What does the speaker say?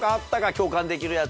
共感できるやつ。